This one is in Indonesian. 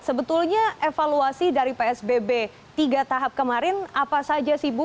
sebetulnya evaluasi dari psbb tiga tahap kemarin apa saja sih bu